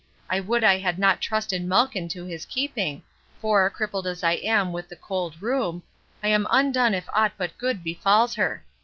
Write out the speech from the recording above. I would I had not trusted Malkin to his keeping, for, crippled as I am with the cold rheum, I am undone if aught but good befalls her.